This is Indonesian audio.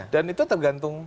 dan itu tergantung